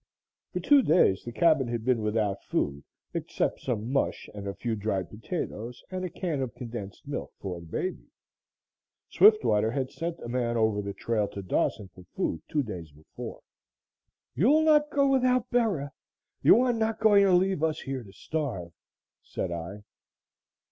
For two days the cabin had been without food except some mush and a few dried potatoes and a can of condensed milk for the baby. Swiftwater had sent a man over the trail to Dawson for food two days before. "You'll not go without Bera! You are not going to leave us here to starve," said I.